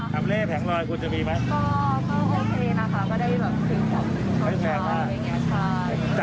ก็โอเคนะคะก็ได้เห็นถ้อเช้น